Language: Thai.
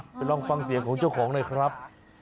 ลองฟังเสียงของเจ้าของหน่อยครับ